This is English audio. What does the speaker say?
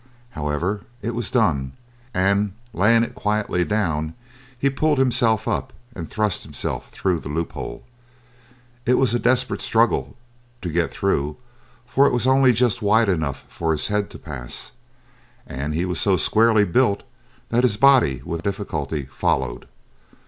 However, it was done, and laying it quietly down he pulled himself up and thrust himself through the loophole. It was a desperate struggle to get through, for it was only just wide enough for his head to pass, and he was so squarely built that his body with difficulty followed.